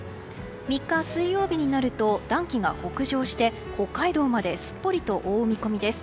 ３日、水曜日になると暖気が北上して北海道まですっぽりと覆う見込みです。